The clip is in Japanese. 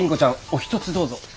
お一つどうぞ。